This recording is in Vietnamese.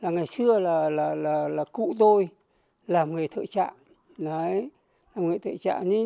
ngày xưa là cụ tôi làm người thợ trạng làm người thợ trạng